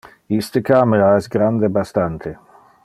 Iste camera es grande bastante.